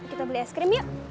kita beli es krim yuk